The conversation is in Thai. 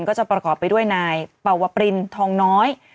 ก็จะประกอบไปด้วยนายปวปรินทองน้อย